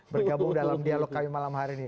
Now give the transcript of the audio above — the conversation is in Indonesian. bergabung dalam dialog kami malam hari ini